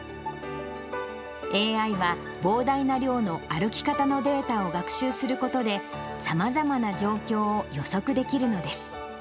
ＡＩは、膨大な量の歩き方のデータを学習することで、さまざまな状況を予測できるのです。